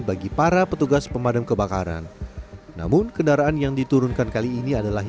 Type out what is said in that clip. bagi para petugas pemadam kebakaran namun kendaraan yang diturunkan kali ini adalah